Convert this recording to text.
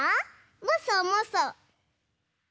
もそもそ。